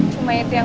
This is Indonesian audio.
cuma itu yang